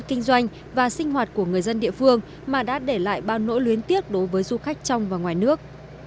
kinh doanh và sinh hoạt của người dân địa phương mà đã để lại bao nỗi luyến tiếc đối với du khách trong và ngoài nước